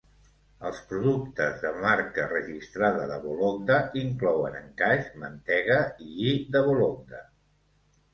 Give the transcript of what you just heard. Els productes de marca registrada de Vologda inclouen encaix, mantega i lli de Vologda.